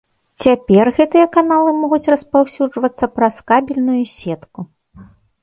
Цяпер гэтыя каналы могуць распаўсюджвацца праз кабельную сетку.